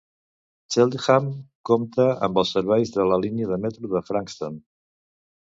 Cheltenham compta amb els serveis de la línia de metro de Frankston.